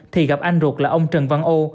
thì gặp anh ruột là ông trần văn ô